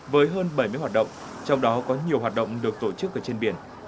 với hơn bảy mươi hoạt động trong đó có nhiều hoạt động được tổ chức ở trên biển